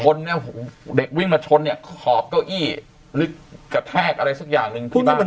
เนี่ยเด็กวิ่งมาชนเนี่ยขอบเก้าอี้หรือกระแทกอะไรสักอย่างหนึ่งที่บ้าน